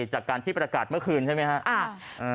จากการที่ประกาศเมื่อคืนใช่ไหมครับ